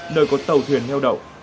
nơi có tàu thuyền heo động